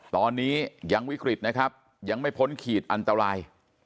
ตอนนี้ยังวิกฤตนะครับยังไม่พ้นขีดอันตราย